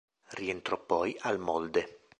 Rientrò poi al Molde.